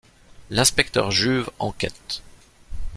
L'inspecteur Juve enquête.